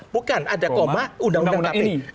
bukan ada koma undang undang kpk